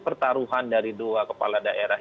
pertaruhan dari dua kepala daerah